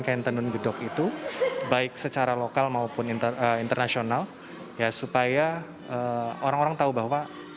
kain tenun gedok itu baik secara lokal maupun internasional ya supaya orang orang tahu bahwa